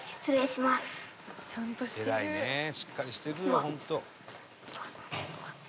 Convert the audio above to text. しっかりしてるわホント」